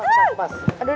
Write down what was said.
aku yang paling depan